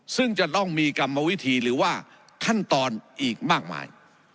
ซึ่งจะต้องมีกรรมวิธีหรือว่าขั้นตอนอีกมากมาย